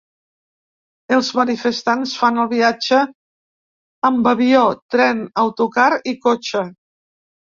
Els manifestants fan el viatge amb avió, tren, autocar i cotxe.